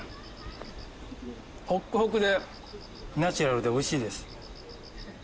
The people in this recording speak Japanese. ホックホクでナチュラルで美味しいです。